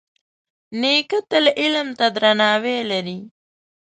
نیکه تل علم ته درناوی لري.